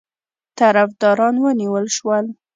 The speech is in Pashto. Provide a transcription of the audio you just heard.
طرفداران ونیول شول.